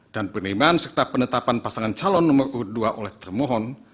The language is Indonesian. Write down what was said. dan penerimaan serta penetapan pasangan calon nomor urut dua oleh termohon